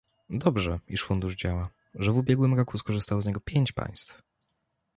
Dobrze, iż Fundusz działa, że w ubiegłym roku skorzystało z niego pięć państw